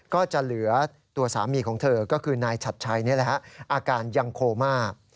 ก็จะเหลือตัวสามีของเธอก็คือนายชัดชัยนี่แหละฮะอาการยังโคม่า